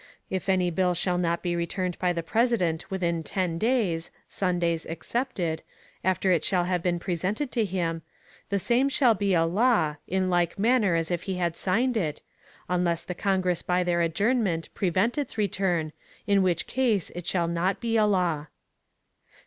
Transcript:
If any Bill shall not be returned by the President within ten Days (Sundays excepted) after it shall have been presented to him, the Same shall be a law, in like Manner as if he had signed it, unless the Congress by their Adjournment prevent its Return, in which Case it shall not be a Law.